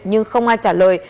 nhưng không ai trả lời